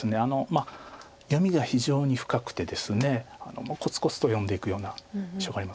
まあ読みが非常に深くてですねコツコツと読んでいくような印象があります。